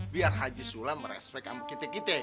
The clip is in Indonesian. biar haji sula merespek kamu gitu gitu